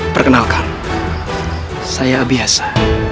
perkenalkan saya abiasa